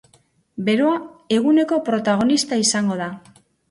Beroa eguneko protagonista izango da.